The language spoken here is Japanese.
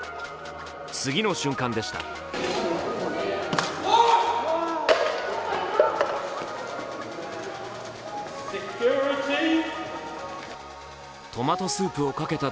次の瞬間でした。